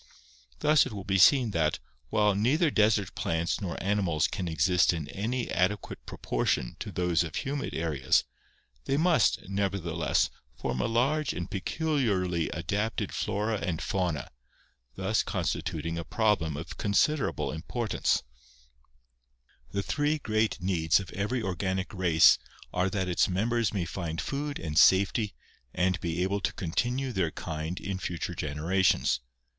Thus it will be seen that, while neither desert plants nor animals can exist in any adequate proportion to those of humid areas, they must, nevertheless, form a large and peculiarly adapted flora and fauna, thus constituting a problem of considerable im portance. 393 394 ORGANIC EVOLUTION DESERT LIFE The three great needs of every organic race are that its mem bers may find food and safety and be able to continue their kind in future generations.